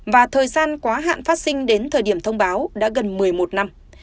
và thời gian quá hạn phát sinh đến thời điểm thông báo đã gần một mươi một năm